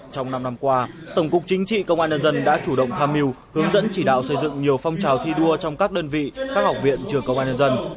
trong năm năm qua tổng cục chính trị công an nhân dân đã chủ động tham mưu hướng dẫn chỉ đạo xây dựng nhiều phong trào thi đua trong các đơn vị các học viện trường công an nhân dân